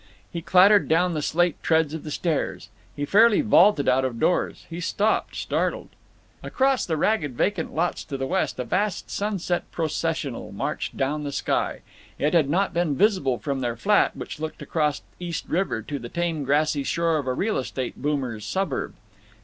He clattered down the slate treads of the stairs. He fairly vaulted out of doors. He stopped, startled. Across the ragged vacant lots to the west a vast sunset processional marched down the sky. It had not been visible from their flat, which looked across East River to the tame grassy shore of a real estate boomer's suburb.